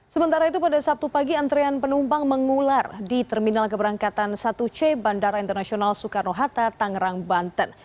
sementara itu pada sabtu pagi antrean penumpang mengular di terminal keberangkatan satu c bandara internasional soekarno hatta tangerang banten